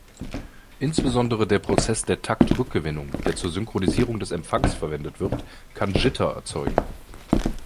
Insbesondere der Prozess der Taktrückgewinnung, der zur Synchronisierung des Empfangs verwendet wird, kann Jitter erzeugen.